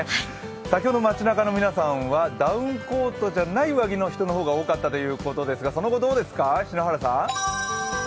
先ほどの街なかの皆さんはダウンコートじゃない上着の人の方が多かったということですが、その後どうですか、篠原さん。